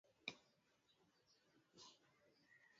ya sanamu wakatubu baadaye na kuomba wasamehewe udhaifu huo